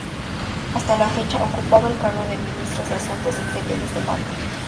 Hasta la fecha ocupaba el cargo de ministro de Asuntos Exteriores de Malta.